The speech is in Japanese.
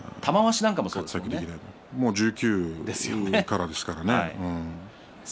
１９からですからね。